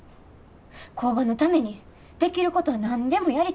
工場のためにできることは何でもやりたい思てる。